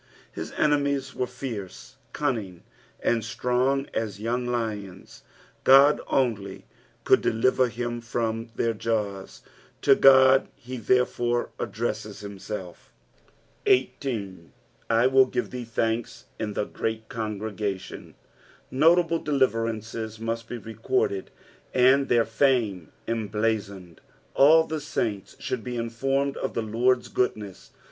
His enemies were licrcc, cunning, and strong aa young lions ; God only could deliver him from their jaws, to God he therefore addresaes himself. 18. "/ teiU give thee thanke in the great oongregatitm." Notable deliver ancea must bo recorded, and their fame emblazoned. All the saints should be informed of the Lord's goodness.